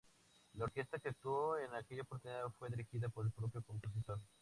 La orquesta que actuó en aquella oportunidad fue dirigida por el propio compositor.